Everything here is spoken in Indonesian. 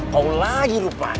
kau lari pak